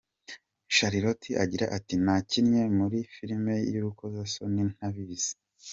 Charlotte agira ati:” Nakinnye muri filime y’urukozasoni ntabizi.